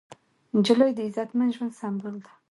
نجلۍ د عزتمن ژوند سمبول ده.